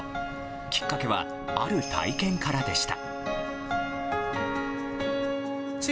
きっかけは、ある体験からでした。